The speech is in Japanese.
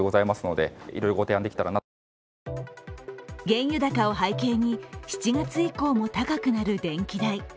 原油高を背景に、７月以降も高くなる電気代。